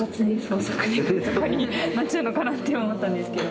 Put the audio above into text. なっちゃうのかなって今思ったんですけど。